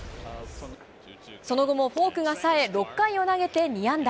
その後もフォークがさえ、６回を投げて２安打。